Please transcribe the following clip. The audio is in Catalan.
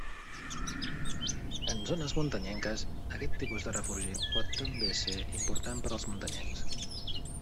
En zones muntanyenques, aquest tipus de refugi pot també ser important per als muntanyencs.